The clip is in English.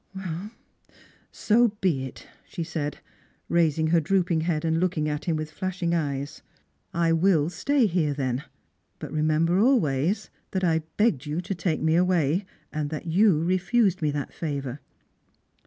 " So be it," she said, raising her drooping head and looking at him with flashing eyes. " I will stay here, then. But remember always that I begged you to take me away, and that you refused me that favour.